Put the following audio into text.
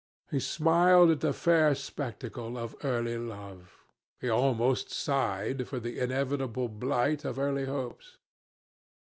He smiled at the fair spectacle of early love; he almost sighed for the inevitable blight of early hopes.